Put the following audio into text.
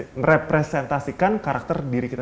memang bisa merepresentasikan karakter diri kita